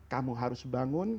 kamu harus bangun